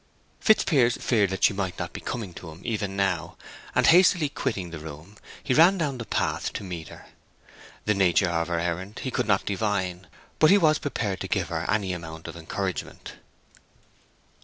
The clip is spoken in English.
Fitzpiers feared that she might not be coming to him even now, and hastily quitting the room, he ran down the path to meet her. The nature of her errand he could not divine, but he was prepared to give her any amount of encouragement.